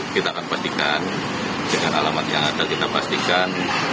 kita akan pastikan dengan alamat yang ada kita pastikan